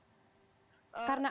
ada kejadian sepertinya